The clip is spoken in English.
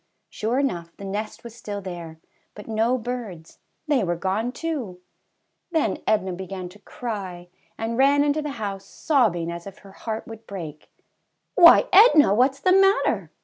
Sure enough, the nest was still there, but no birds, — they were gone too! "ALL'S GONE.' 171 Then Edna began to cry, and ran into the house, sobbing as if her heart would break. "Why, Edna, what^s the matter?"